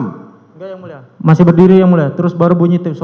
enggak yang mulia masih berdiri yang mulia terus baru bunyi tips